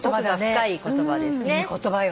いい言葉よ。